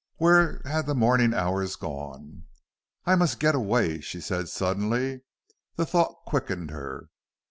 Where had the morning hours gone? "I must get away," she said, suddenly. The thought quickened her.